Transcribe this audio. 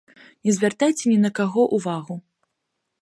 Не звяртайце ні на каго ўвагу.